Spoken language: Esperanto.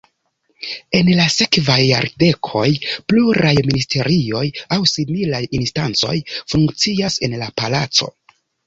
En la sekvaj jardekoj pluraj ministerioj aŭ similaj instancoj funkciis en la palaco.